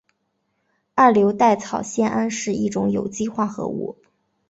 二硫代草酰胺是一种有机化合物。